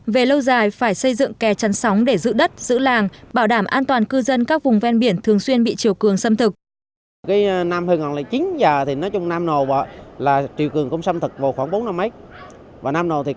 về lâu dài phải xây dựng kè chăn sóng để giữ đất giữ làng bảo đảm an toàn cư dân các vùng ven biển thường xuyên bị chết